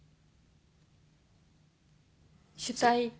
取材。